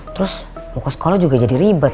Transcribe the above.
terus lukas sekolah juga jadi ribet